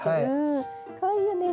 かわいいよね。